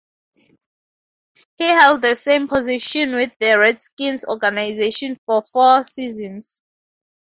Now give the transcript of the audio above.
He held the same position with the Redskins organization for four seasons.